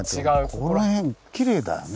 この辺きれいだよね。